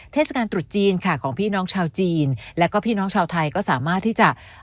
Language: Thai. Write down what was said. เทศกาลตรุษจีนค่ะของพี่น้องชาวจีนแล้วก็พี่น้องชาวไทยก็สามารถที่จะ